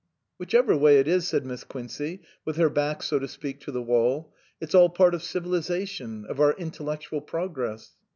"Whichever way it is," said Miss Quincey, with her back, so to speak, to the wall, " it's all part of civilization, of our intellectual progress."